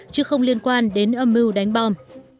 chứ không liên quan đến âm mưu đánh bom